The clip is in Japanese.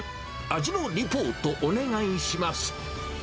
味のリポートお願いします。